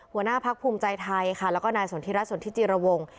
หัวหน้าพักภูมิใจไทยค่ะแล้วก็นายสนทิรัฐสนทิจิรวงศ์